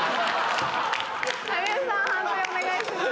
判定お願いします。